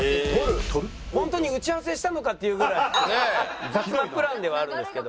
本当に打ち合わせしたのかっていうぐらい雑なプランではあるんですけど。